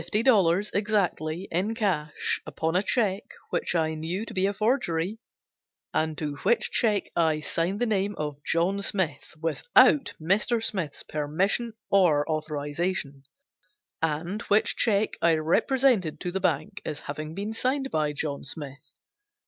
00 cash upon a check which I knew to be a forgery, and to which check I signed the name of John Smith, without Mr. Smith's permission or authorization, and which check I represented to the bank as having been signed by John Smith.